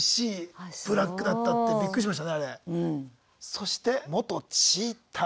そして「元チーター」。